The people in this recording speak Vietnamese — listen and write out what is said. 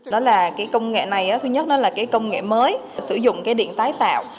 đó là cái công nghệ này thứ nhất nó là cái công nghệ mới sử dụng cái điện tái tạo